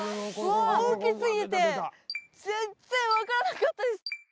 大きすぎて全然分からなかったです